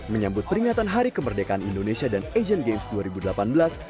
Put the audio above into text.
menyambut peringatan hari kemerdekaan indonesia dan asian games dua ribu delapan belas